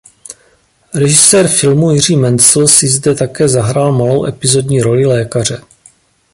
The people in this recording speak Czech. Režisér filmu Jiří Menzel si zde také zahrál malou epizodní roli lékaře.